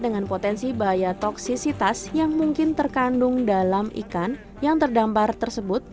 dengan potensi bahaya toksisitas yang mungkin terkandung dalam ikan yang terdampar tersebut